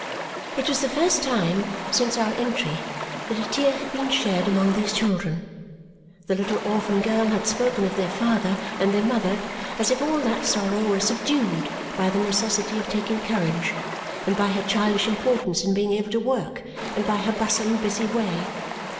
It was the first time since our entry that a tear had been shed among these children. The little orphan girl had spoken of their father and their mother as if all that sorrow were subdued by the necessity of taking courage, and by her childish importance in being able to work, and by her bustling busy way.